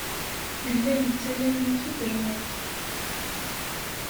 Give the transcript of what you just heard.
Yella yettaley-ik-id lɣeṭṭ.